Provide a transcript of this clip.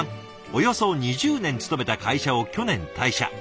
およそ２０年勤めた会社を去年退社。